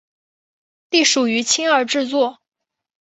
隶属于青二制作。